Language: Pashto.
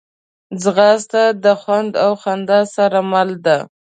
ځغاسته د خوند او خندا سره مل ده